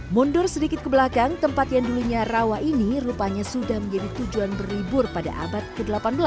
mundur sedikit ke belakang tempat yang dulunya rawa ini rupanya sudah menjadi tujuan berlibur pada abad ke delapan belas